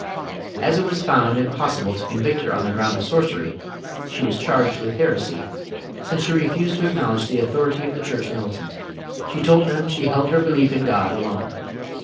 As it was found impossible to convict her on the ground of sorcerj7 , she was charged with heresy, since she refused to acknowledge the authority of the church militant. She told them she held her belief in God alone.